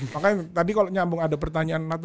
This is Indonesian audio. makanya tadi kalau nyambung ada pertanyaan